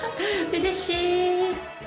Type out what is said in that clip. うれしい！